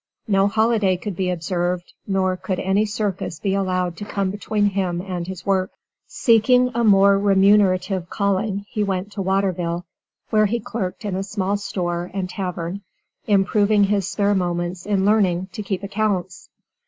No holiday could be observed, nor could any circus be allowed to come between him and his work. Seeking a more remunerative calling he went to Waterville, where he clerked in a small store and tavern, improving his spare moments in learning to keep accounts.